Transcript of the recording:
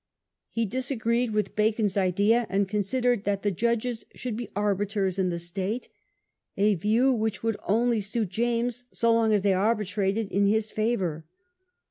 He dis agreed with Bacon's idea, and considered that the judges should be arbiters in the state, a view which would only suit James so long as they arbitrated in his favour.